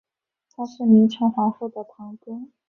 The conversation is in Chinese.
他是明成皇后的堂哥。